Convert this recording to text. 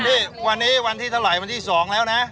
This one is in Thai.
นี่วันนี้วันที่เท่าไหร่วันที่๒แล้วนะ